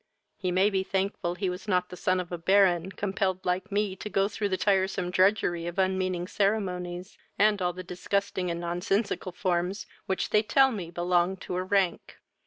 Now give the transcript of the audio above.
He may be thankful he was not the son of a Baron, compelled like me to go through the tiresome drudgery of unmeaning ceremonies, and all the disgusting and nonsensical forms which they tell me belong to a rank.